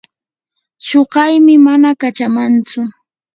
chuqaymi mana kachamantsu.